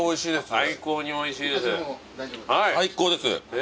最高です！